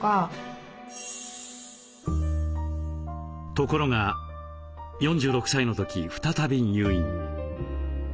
ところが４６歳の時再び入院。